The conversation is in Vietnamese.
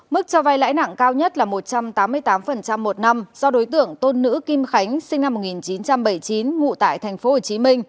mức cho vay lãi nặng cao nhất là một trăm tám mươi tám một năm do đối tượng tôn nữ kim khánh sinh năm một nghìn chín trăm bảy mươi chín ngụ tại tp hcm